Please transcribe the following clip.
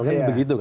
itu tugas negara